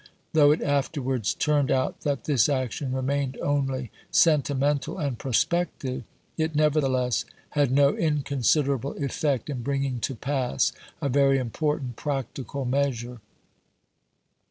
Though it afterwards turned out that this action remained only sentimental and prospective, it nevertheless had no inconsiderable effect in bringing to pass a very important practical measure.